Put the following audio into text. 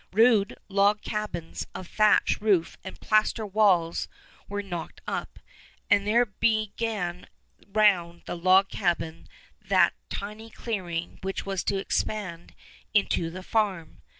Rude log cabins of thatch roof and plaster walls were knocked up, and there began round the log cabin that tiny clearing which was to expand into the farm.